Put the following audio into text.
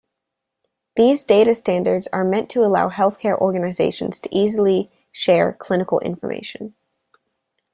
These data standards are meant to allow healthcare organizations to easily share clinical information.